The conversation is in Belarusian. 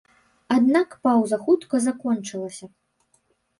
Аднак паўза хутка закончылася.